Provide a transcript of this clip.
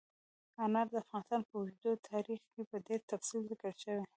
انار د افغانستان په اوږده تاریخ کې په ډېر تفصیل ذکر شوي.